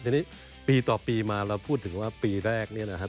ทีนี้ปีต่อปีมาเราพูดถึงว่าปีแรกเนี่ยนะครับ